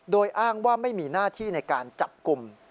โดยอ้างว่าไม่มีหน้าที่ในการจับกลุ่ม